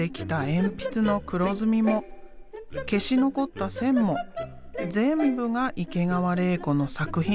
鉛筆の黒ずみも消し残った線も全部が池川れい子の作品。